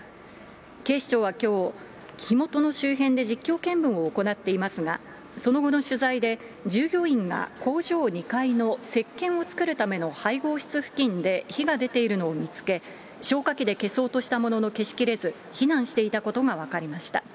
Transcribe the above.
警視庁はきょう、火元の周辺で実況見分を行っていますが、その後の取材で、従業員が工場２階のせっけんを作るための配合室付近で火が出ているのを見つけ、消火器で消そうとしたものの消しきれず、避難していたことが分かりました。